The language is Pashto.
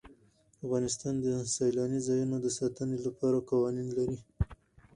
افغانستان د سیلانی ځایونه د ساتنې لپاره قوانین لري.